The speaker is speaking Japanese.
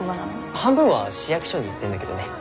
半分は市役所に行ってんだけどね。